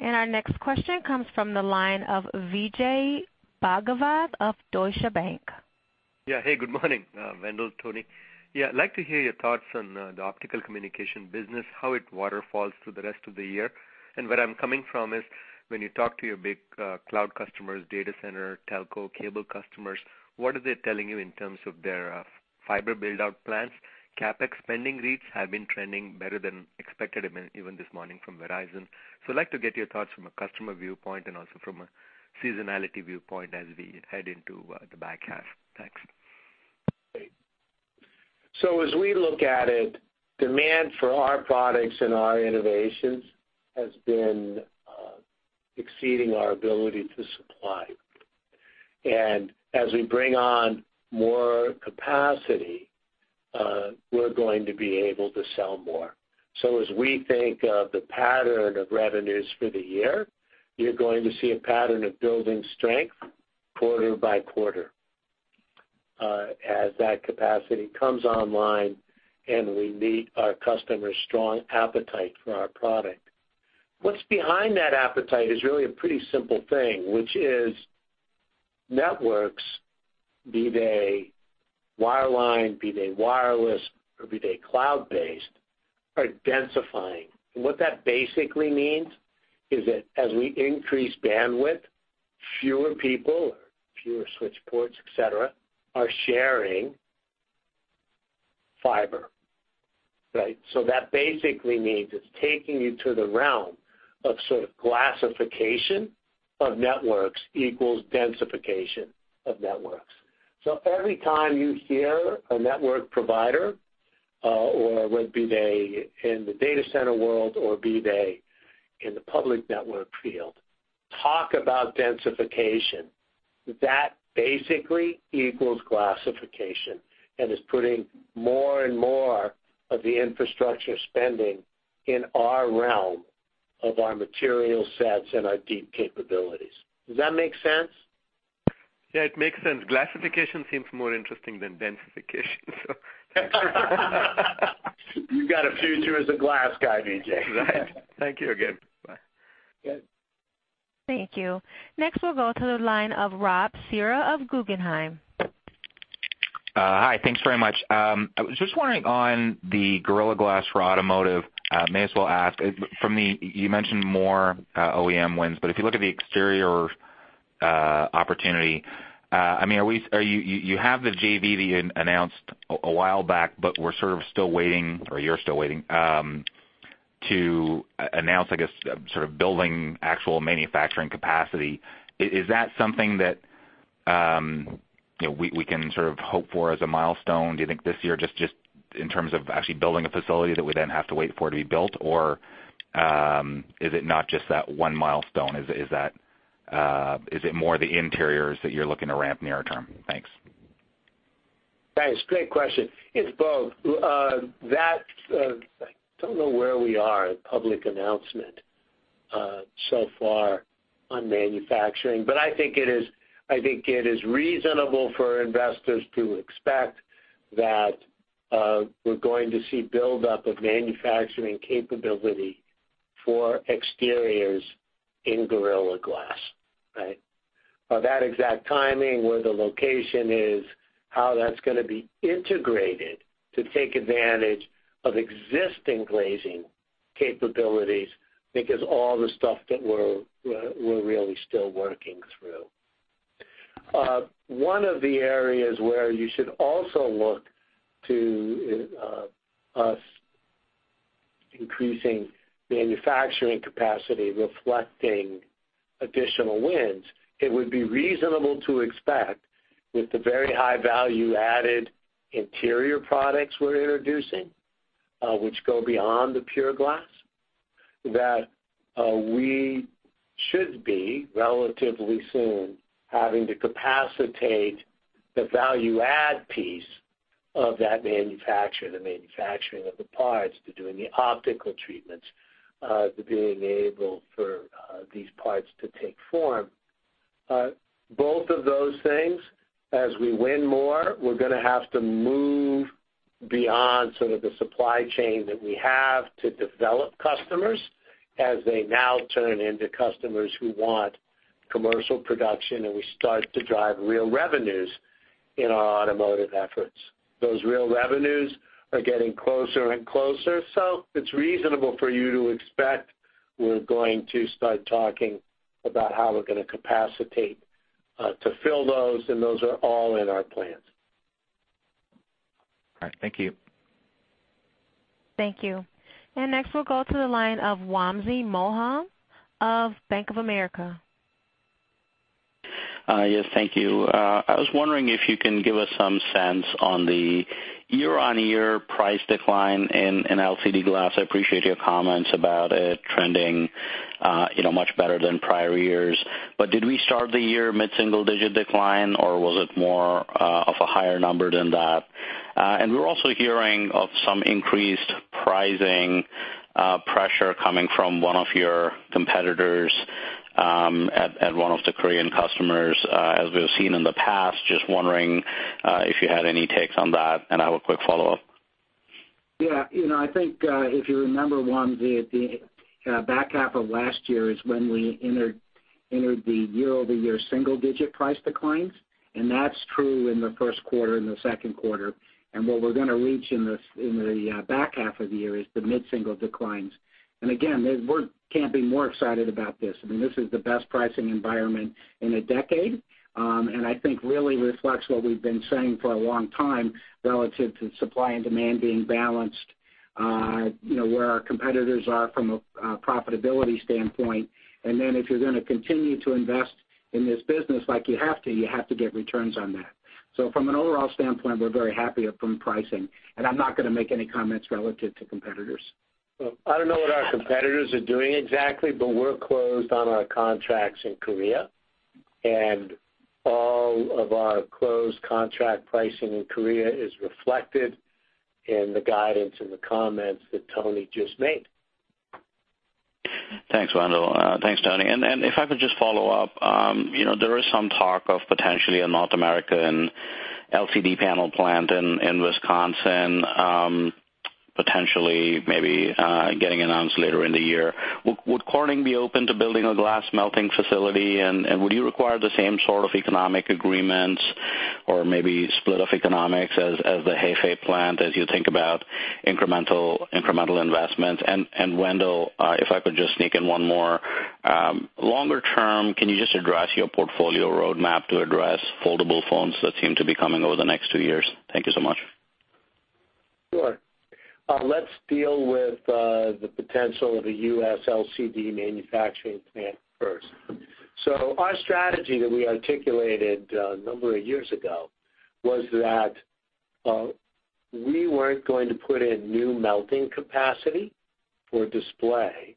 Our next question comes from the line of Vijay Bhagavath of Deutsche Bank. Hey, good morning, Wendell, Tony. I'd like to hear your thoughts on the Optical Communications business, how it waterfalls through the rest of the year. Where I'm coming from is when you talk to your big cloud customers, data center, telco, cable customers, what are they telling you in terms of their fiber build-out plans? CapEx spending rates have been trending better than expected even this morning from Verizon. I'd like to get your thoughts from a customer viewpoint and also from a seasonality viewpoint as we head into the back half. Thanks. Great. As we look at it, demand for our products and our innovations has been exceeding our ability to supply. As we bring on more capacity, we're going to be able to sell more. As we think of the pattern of revenues for the year, you're going to see a pattern of building strength quarter by quarter, as that capacity comes online and we meet our customers' strong appetite for our product. What's behind that appetite is really a pretty simple thing, which is networks, be they wireline, be they wireless, or be they cloud-based, are densifying. What that basically means is that as we increase bandwidth, fewer people or fewer switch ports, et cetera, are sharing fiber. Right? That basically means it's taking you to the realm of sort of glassification of networks equals densification of networks. Every time you hear a network provider. Would be they in the data center world or be they in the public network field. Talk about densification. That basically equals glassification and is putting more and more of the infrastructure spending in our realm of our material sets and our deep capabilities. Does that make sense? Yeah, it makes sense. Glassification seems more interesting than densification. You've got a future as a glass guy, Vijay. Right. Thank you again. Bye. Good. Thank you. Next, we'll go to the line of Rob Cihra of Guggenheim. Hi. Thanks very much. I was just wondering on the Gorilla Glass for automotive, may as well ask. You mentioned more OEM wins, but if you look at the exterior opportunity, you have the JV that you announced a while back, but we're sort of still waiting, or you're still waiting, to announce, I guess, sort of building actual manufacturing capacity. Is that something that we can sort of hope for as a milestone, do you think this year, just in terms of actually building a facility that we then have to wait for to be built? Or is it not just that one milestone? Is it more the interiors that you're looking to ramp near-term? Thanks. Thanks. Great question. It's both. I don't know where we are at public announcement so far on manufacturing, but I think it is reasonable for investors to expect that we're going to see buildup of manufacturing capability for exteriors in Gorilla Glass, right? That exact timing, where the location is, how that's going to be integrated to take advantage of existing glazing capabilities, I think is all the stuff that we're really still working through. One of the areas where you should also look to us increasing manufacturing capacity, reflecting additional wins, it would be reasonable to expect with the very high value-added interior products we're introducing, which go beyond the pure glass, that we should be relatively soon having to capacitate the value add piece of that manufacture, the manufacturing of the parts to doing the optical treatments, to being able for these parts to take form. Both of those things, as we win more, we're going to have to move beyond sort of the supply chain that we have to develop customers as they now turn into customers who want commercial production, and we start to drive real revenues in our automotive efforts. Those real revenues are getting closer and closer, so it's reasonable for you to expect we're going to start talking about how we're going to capacitate to fill those, and those are all in our plans. All right. Thank you. Thank you. Next we'll go to the line of Wamsi Mohan of Bank of America. Yes. Thank you. I was wondering if you can give us some sense on the year-on-year price decline in LCD glass. I appreciate your comments about it trending much better than prior years. Did we start the year mid-single digit decline, or was it more of a higher number than that? We're also hearing of some increased pricing pressure coming from one of your competitors at one of the Korean customers as we've seen in the past. Just wondering if you had any takes on that, and I have a quick follow-up. Yeah. I think if you remember, Wamsi Mohan, the back half of last year is when we entered the year-over-year single-digit price declines, that's true in the first quarter and the second quarter. What we're going to reach in the back half of the year is the mid-single declines. Again, we can't be more excited about this. This is the best pricing environment in a decade, and I think really reflects what we've been saying for a long time relative to supply and demand being balanced, where our competitors are from a profitability standpoint. If you're going to continue to invest in this business like you have to, you have to get returns on that. From an overall standpoint, we're very happy from pricing, and I'm not going to make any comments relative to competitors. I don't know what our competitors are doing exactly, we're closed on our contracts in Korea, all of our closed contract pricing in Korea is reflected in the guidance and the comments that Tony Tripeny just made. Thanks, Wendell Weeks. Thanks, Tony Tripeny. If I could just follow up. There is some talk of potentially a North American LCD panel plant in Wisconsin, potentially maybe getting announced later in the year. Would Corning be open to building a glass melting facility, and would you require the same sort of economic agreements or maybe split of economics as the Hefei plant as you think about incremental investments? Wendell Weeks, if I could just sneak in one more. Longer term, can you just address your portfolio roadmap to address foldable phones that seem to be coming over the next two years? Thank you so much. Sure. Let's deal with the potential of a U.S. LCD manufacturing plant first. Our strategy that we articulated a number of years ago was that we weren't going to put in new melting capacity for display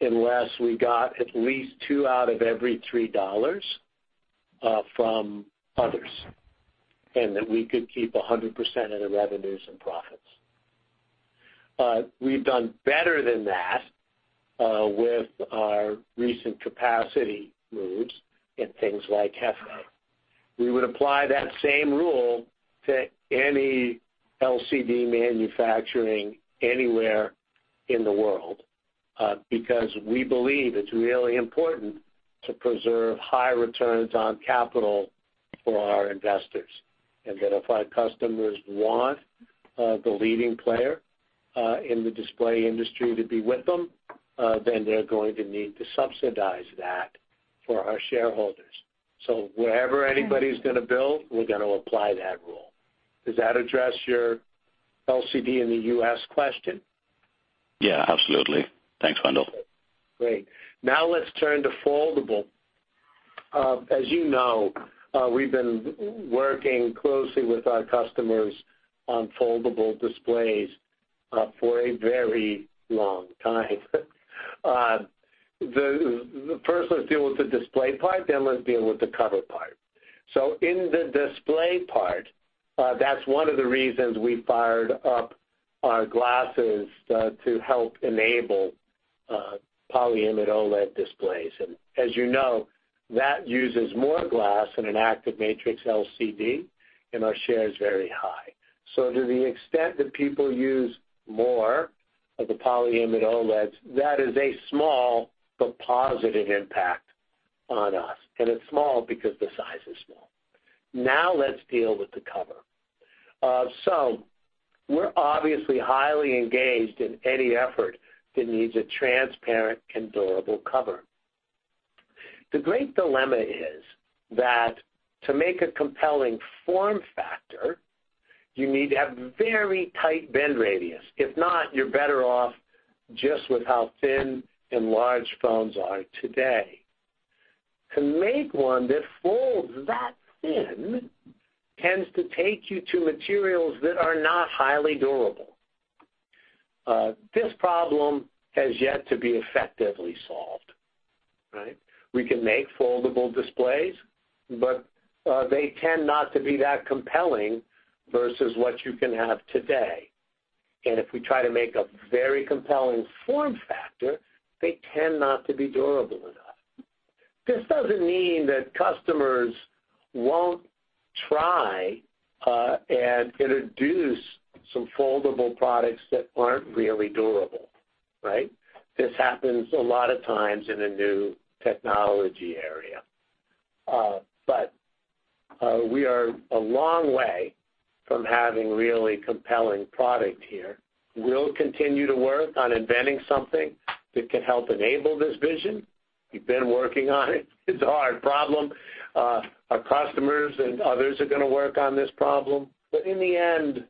unless we got at least $2 out of every $3 from others, and that we could keep 100% of the revenues and profits. We've done better than that with our recent capacity moves in things like Hefei. We would apply that same rule to any LCD manufacturing anywhere in the world, because we believe it's really important to preserve high returns on capital for our investors. If our customers want the leading player in the display industry to be with them, they're going to need to subsidize that for our shareholders. Wherever anybody's going to build, we're going to apply that rule. Does that address your LCD in the U.S. question? Yeah, absolutely. Thanks, Wendell. Great. Let's turn to foldable. As you know, we've been working closely with our customers on foldable displays for a very long time. Let's deal with the display part, let's deal with the cover part. In the display part, that's one of the reasons we fired up our glasses to help enable polyimide OLED displays. As you know, that uses more glass than an active matrix LCD, and our share is very high. To the extent that people use more of the polyimide OLEDs, that is a small but positive impact on us, and it's small because the size is small. Let's deal with the cover. We're obviously highly engaged in any effort that needs a transparent and durable cover. The great dilemma is that to make a compelling form factor, you need to have very tight bend radius. If not, you're better off just with how thin and large phones are today. To make one that folds that thin tends to take you to materials that are not highly durable. This problem has yet to be effectively solved, right? We can make foldable displays, but they tend not to be that compelling versus what you can have today. If we try to make a very compelling form factor, they tend not to be durable enough. This doesn't mean that customers won't try and introduce some foldable products that aren't really durable, right? This happens a lot of times in a new technology area. We are a long way from having really compelling product here. We'll continue to work on inventing something that can help enable this vision. We've been working on it. It's a hard problem. Our customers and others are going to work on this problem. In the end,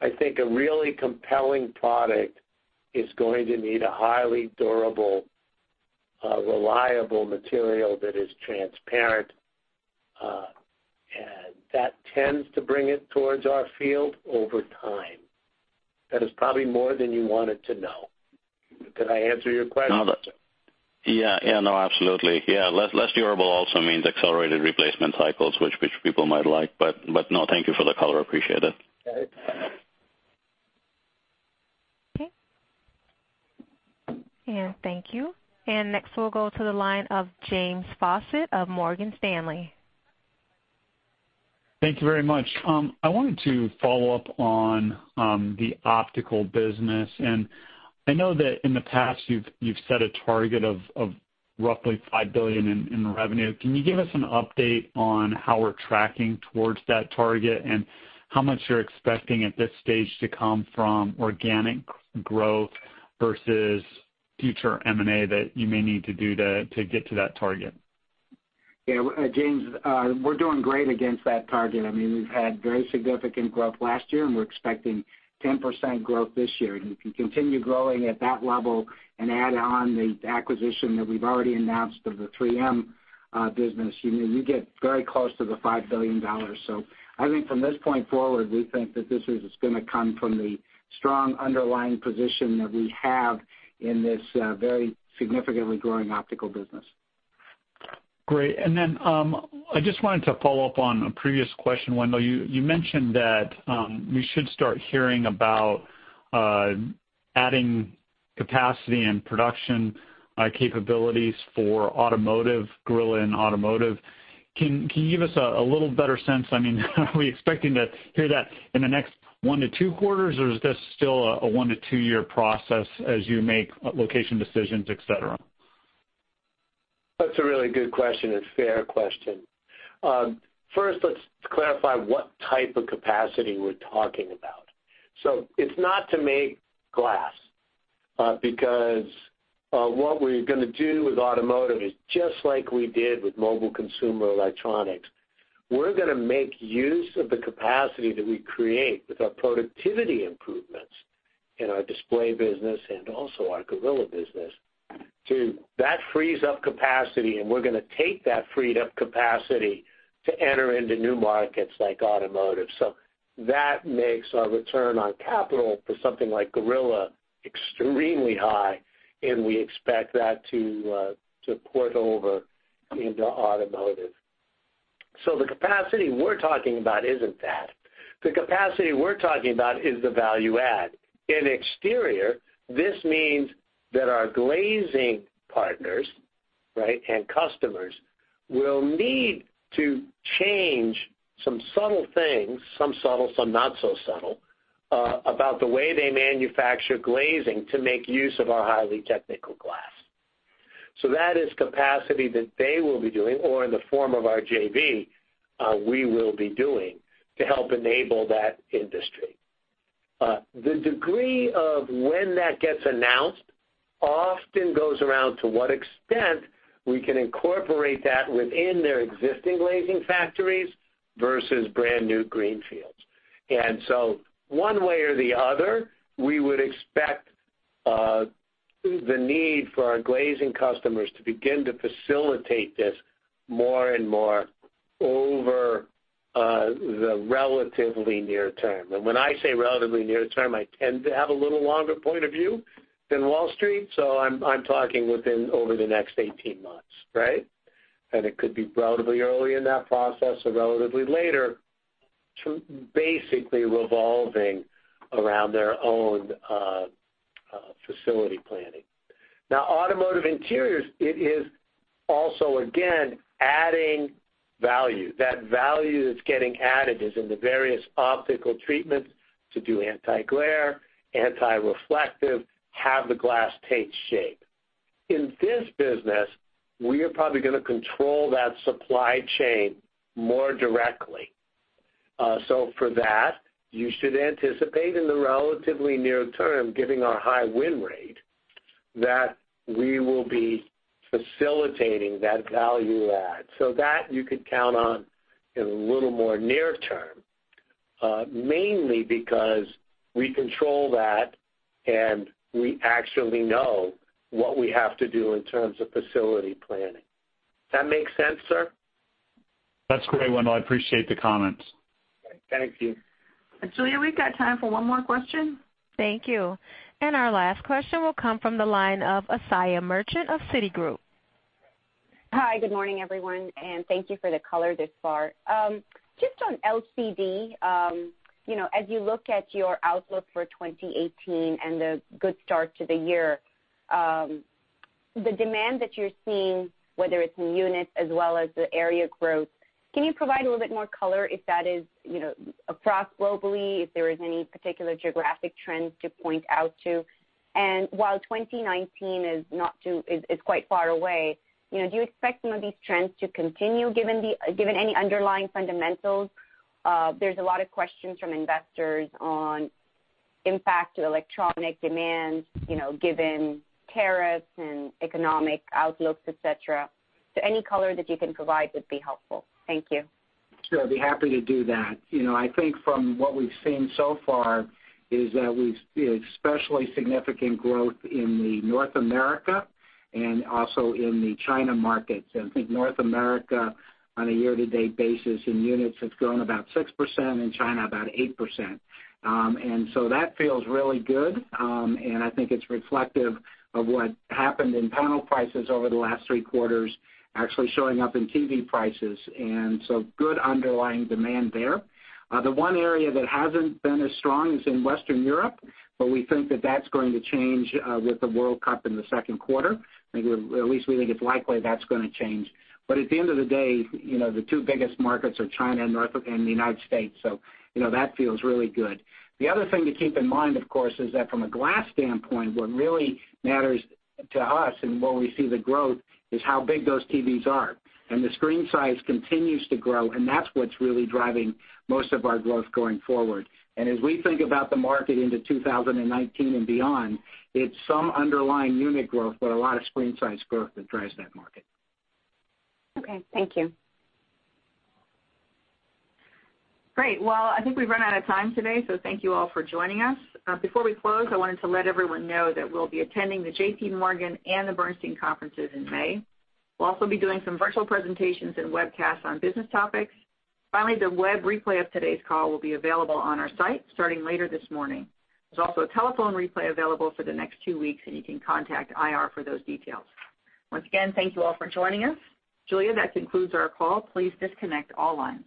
I think a really compelling product is going to need a highly durable, reliable material that is transparent, and that tends to bring it towards our field over time. That is probably more than you wanted to know. Did I answer your question? Yeah. No, absolutely. Yeah. Less durable also means accelerated replacement cycles, which people might like. No, thank you for the color. Appreciate it. Okay. Okay. Thank you. Next, we'll go to the line of James Faucette of Morgan Stanley. Thank you very much. I wanted to follow up on the Optical Communications business. I know that in the past, you've set a target of roughly $5 billion in revenue. Can you give us an update on how we're tracking towards that target and how much you're expecting at this stage to come from organic growth versus future M&A that you may need to do to get to that target? Yeah, James, we're doing great against that target. We've had very significant growth last year. We're expecting 10% growth this year. If we continue growing at that level and add on the acquisition that we've already announced of the 3M business, you get very close to the $5 billion. I think from this point forward, we think that this is going to come from the strong underlying position that we have in this very significantly growing optical business. Great. I just wanted to follow up on a previous question, Wendell. You mentioned that we should start hearing about adding capacity and production capabilities for automotive, Gorilla in automotive. Can you give us a little better sense? Are we expecting to hear that in the next one to two quarters, or is this still a one-to-two-year process as you make location decisions, et cetera? That's a really good question. A fair question. First, let's clarify what type of capacity we're talking about. It's not to make glass. Because what we're going to do with automotive is just like we did with mobile consumer electronics. We're going to make use of the capacity that we create with our productivity improvements in our display business and also our Gorilla business. That frees up capacity, and we're going to take that freed-up capacity to enter into new markets like automotive. That makes our return on capital for something like Gorilla extremely high, and we expect that to port over into automotive. The capacity we're talking about isn't that. The capacity we're talking about is the value add. In exterior, this means that our glazing partners, right, and customers will need to change some subtle things, some subtle, some not so subtle, about the way they manufacture glazing to make use of our highly technical glass. That is capacity that they will be doing, or in the form of our JV, we will be doing to help enable that industry. The degree of when that gets announced often goes around to what extent we can incorporate that within their existing glazing factories versus brand-new greenfields. One way or the other, we would expect the need for our glazing customers to begin to facilitate this more and more over the relatively near term. When I say relatively near term, I tend to have a little longer point of view than Wall Street, so I'm talking within over the next 18 months, right? It could be relatively early in that process or relatively later, basically revolving around their own facility planning. Automotive interiors, it is also, again, adding value. That value that's getting added is in the various optical treatments to do anti-glare, anti-reflective, have the glass take shape. In this business, we are probably going to control that supply chain more directly. For that, you should anticipate in the relatively near term, given our high win rate, that we will be facilitating that value add. That you could count on in a little more near term, mainly because we control that, and we actually know what we have to do in terms of facility planning. That make sense, sir? That's great, Wendell. I appreciate the comments. Thank you. Julia, we've got time for one more question. Thank you. Our last question will come from the line of Asiya Merchant of Citigroup. Hi, good morning, everyone, thank you for the color this far. Just on LCD, as you look at your outlook for 2018 and the good start to the year, the demand that you're seeing, whether it's in units as well as the area growth, can you provide a little bit more color if that is across globally, if there is any particular geographic trends to point out to? While 2019 is quite far away, do you expect some of these trends to continue given any underlying fundamentals? There's a lot of questions from investors on impact to electronic demands, given tariffs and economic outlooks, et cetera. Any color that you can provide would be helpful. Thank you. Sure, I'd be happy to do that. I think from what we've seen so far is that we've seen especially significant growth in the North America and also in the China markets. I think North America, on a year-to-date basis in units, has grown about 6%, and China about 8%. That feels really good, and I think it's reflective of what happened in panel prices over the last three quarters actually showing up in TV prices. Good underlying demand there. The one area that hasn't been as strong is in Western Europe, but we think that that's going to change with the World Cup in the second quarter. At least we think it's likely that's going to change. At the end of the day, the two biggest markets are China and the United States, so that feels really good. The other thing to keep in mind, of course, is that from a glass standpoint, what really matters to us and where we see the growth is how big those TVs are. The screen size continues to grow, and that's what's really driving most of our growth going forward. As we think about the market into 2019 and beyond, it's some underlying unit growth, but a lot of screen size growth that drives that market. Okay. Thank you. Great. Well, I think we've run out of time today. Thank you all for joining us. Before we close, I wanted to let everyone know that we'll be attending the JPMorgan and the Bernstein conferences in May. We'll also be doing some virtual presentations and webcasts on business topics. Finally, the web replay of today's call will be available on our site starting later this morning. There's also a telephone replay available for the next two weeks. You can contact IR for those details. Once again, thank you all for joining us. Julia, that concludes our call. Please disconnect all lines.